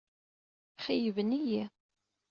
Xeyyben-iyi.